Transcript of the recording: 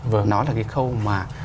với nó là cái khâu mà